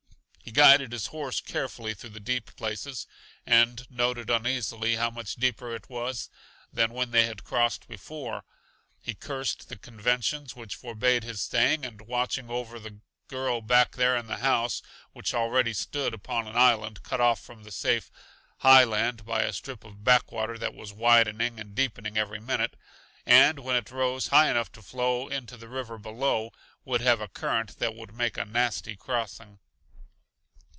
He guided his horse carefully through the deep places, and noted uneasily how much deeper it was than when they had crossed before. He cursed the conventions which forbade his staying and watching over the girl back there in the house which already stood upon an island, cut off from the safe, high land by a strip of backwater that was widening and deepening every minute, and, when it rose high enough to flow into the river below, would have a current that would make a nasty crossing.